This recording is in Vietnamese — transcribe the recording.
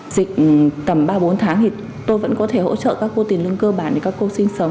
dịch tầm ba bốn tháng thì tôi vẫn có thể hỗ trợ các cô tiền lương cơ bản để các cô sinh sống